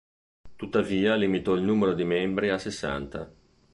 Tuttavia limitò il numero di membri a sessanta.